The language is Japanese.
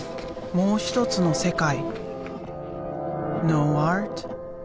もう一つの世界。